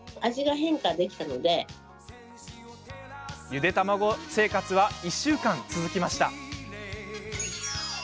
ゆで卵生活は１週間続きました。